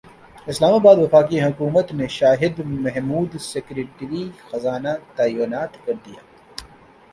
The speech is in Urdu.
اسلام اباد وفاقی حکومت نے شاہد محمود سیکریٹری خزانہ تعینات کردیا